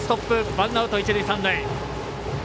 ワンアウト、一塁、三塁。